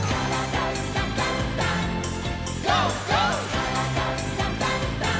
「からだダンダンダン」